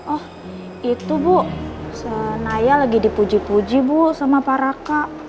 oh itu bu si naya lagi dipuji puji sama pak raka